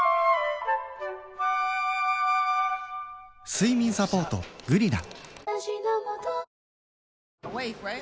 睡眠サポート「グリナ」